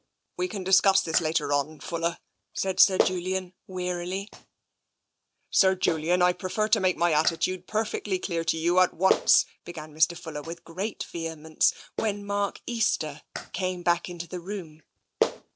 "We can discuss this later on, Fuller," said Sir Julian wearily. " Sir Julian, I prefer to make my attitude perfectly clear to you at once " began Mr. Fuller with great vehemence, when Mark Easter came back into the room.